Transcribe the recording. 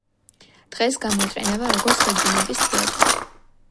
დღეს გამოიყენება, როგორც თოჯინების თეატრი.